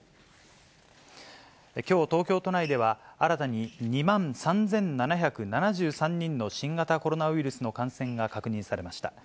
きょう、東京都内では新たに２万３７７３人の新型コロナウイルスの感染が確認されました。